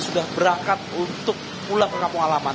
sudah berangkat untuk pulang ke kampung halaman